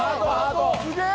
すげえ！